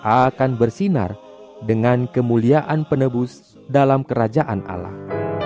akan bersinar dengan kemuliaan penebus dalam kerajaan allah